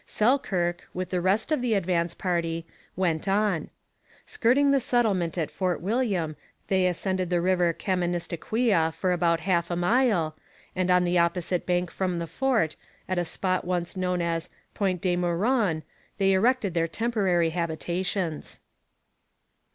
Selkirk, with the rest of the advance party, went on. Skirting the settlement at Fort William, they ascended the river Kaministikwia for about half a mile, and on the opposite bank from the fort, at a spot since known as Point De Meuron, they erected their temporary habitations.